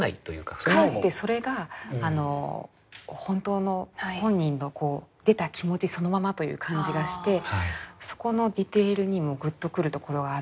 かえってそれが本当の本人の出た気持ちそのままという感じがしてそこのディテールにもグッとくるところがあったりするんですよね。